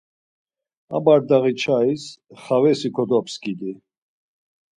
A bardaği nçais xavesi kodopskidi.